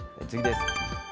次です。